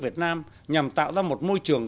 việt nam nhằm tạo ra một môi trường